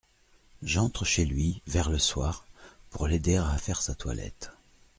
J’entre chez lui, vers le soir, pour l’aider à faire sa toilette.